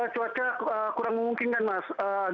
cuaca kurang memungkinkan mas